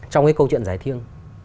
trong cái câu chuyện giải thiêng